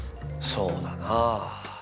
そうだなぁ。